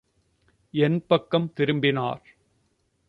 என் பக்கம் திரும்பினார்.